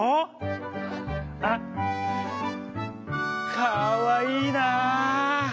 かわいいなあ。